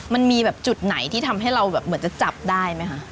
มันมีแบบจุดไหนที่ทำให้เราแบบเหมือนจะจับได้ไหมคะ